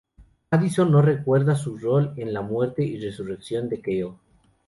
Madison no recuerda su rol en la muerte y resurrección de Kyle.